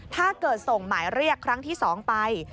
ถ้าเกิดส่งหมายเรียกครั้งที่๒ไป